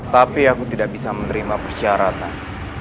tapi aku tidak bisa menerima persyaratan